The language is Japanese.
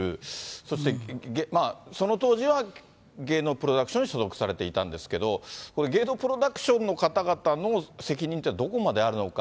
そしてその当時は、芸能プロダクションに所属されていたんですけど、芸能プロダクションの方々の責任ってどこまであるのか。